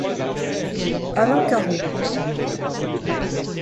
Alain Caron.